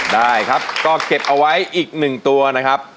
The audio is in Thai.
ได้ครับก็เก็บเอาไว้อีกหนึ่งตัวนะครับ